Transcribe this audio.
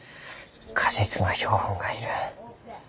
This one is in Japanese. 果実の標本が要る。